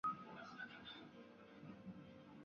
福代斯是一个位于美国阿肯色州达拉斯县的城市。